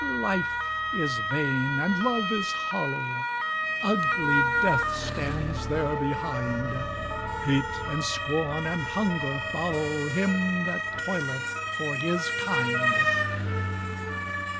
Life is vain, and love is hollow, Ugly death stands there behind, Hate and scorn and hunger follow Him that toileth for his kind."